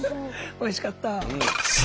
おいしかった！